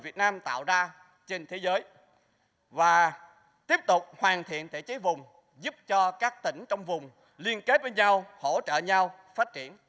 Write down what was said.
và tiếp tục hoàn thiện thể chế vùng giúp cho các tỉnh trong vùng liên kết với nhau hỗ trợ nhau phát triển